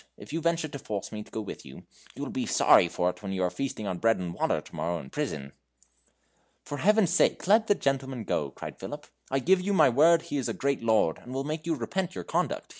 If you venture to force me to go with you, you will be sorry for it when you are feasting on bread and water tomorrow in prison." "For Heaven's sake, let the gentleman go," cried Philip; "I give you my word he is a great lord, and will make you repent your conduct.